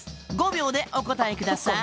５秒でお答えください